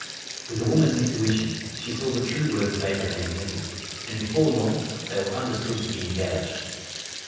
With a woman's intuition she saw the true worth of Abraham Lincoln, and before long they were understood to be engaged.